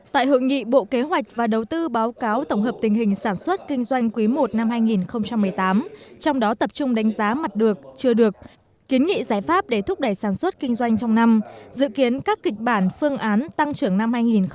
tại hội nghị bộ kế hoạch và đầu tư báo cáo tổng hợp tình hình sản xuất kinh doanh quý i năm hai nghìn một mươi tám trong đó tập trung đánh giá mặt được chưa được kiến nghị giải pháp để thúc đẩy sản xuất kinh doanh trong năm dự kiến các kịch bản phương án tăng trưởng năm hai nghìn một mươi chín